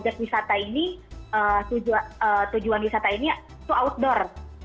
jadi tujuan wisata ini tuh outdoor